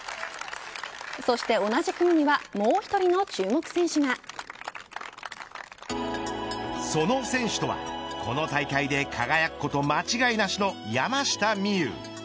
そして同じ組にはその選手とはこの大会で輝くこと間違いなしの山下美夢有。